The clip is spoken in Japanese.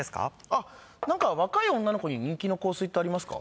あっ何か若い女の子に人気の香水ってありますか？